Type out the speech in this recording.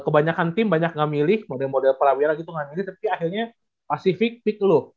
kebanyakan tim banyak gak milih model model pelawiran gitu gak milih tapi akhirnya pasifik pik lu